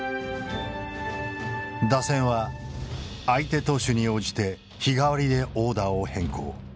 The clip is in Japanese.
打線は相手投手に応じて日替わりでオーダーを変更。